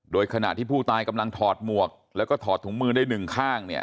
โดยขณะที่ผู้ตายกำลังถอดหมวกแล้วก็ถอดถุงมือได้หนึ่งข้างเนี่ย